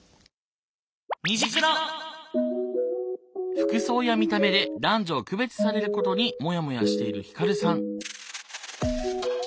服装や見た目で男女を区別されることにモヤモヤしているひかるさん。